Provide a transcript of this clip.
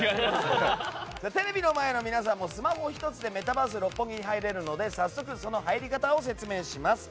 テレビの前の皆さんもスマホ１つでメタバース六本木に入れるので早速その入り方を説明します。